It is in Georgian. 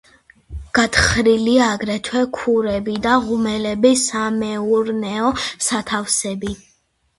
გათხრილია აგრეთვე ქურები და ღუმელები, სამეურნეო სათავსები.